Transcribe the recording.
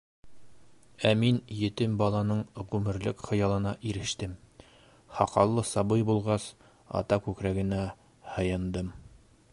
Ә мин етем баланың ғүмерлек хыялына ирештем: һаҡаллы сабый булғас, ата күкрәгенә һыйындым.